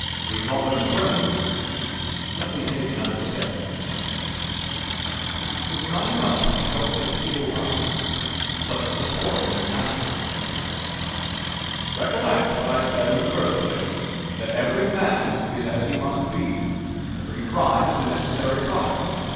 We call them "criminals." Let me take another step: "'Tis not enough to help the feeble up, But to support him after." Recollect what I said in the first place that every man is as he must be. Every crime is a necessary product.